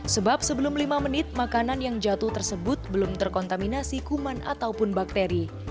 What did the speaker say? sebab sebelum lima menit makanan yang jatuh tersebut belum terkontaminasi kuman ataupun bakteri